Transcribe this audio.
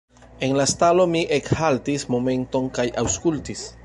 En la stalo mi ekhaltis momenton kaj aŭskultis.